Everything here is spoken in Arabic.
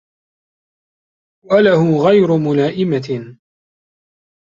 وَلَهُ غَيْرُ مُلَائِمَةٍ